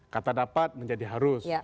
kata dapat menjadi harus